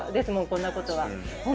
こんなことは。